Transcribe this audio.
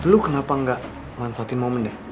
lo kenapa ga manfaatin momen deh